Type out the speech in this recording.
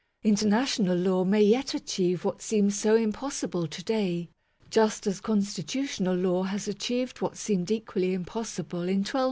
International law may yet achieve what seems so impossible to day; just as constitutional law has achieved what seemed equally impossible in 1215.